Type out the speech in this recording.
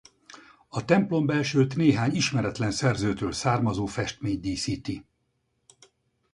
A templombelsőt néhány ismeretlen szerzőtől származó festmény díszíti.